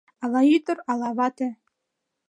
Ала ӱдыр, ала вате